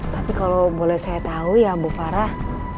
tapi kalau boleh saya tahu ya bu farah